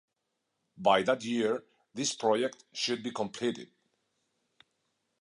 By that year this project should be completed.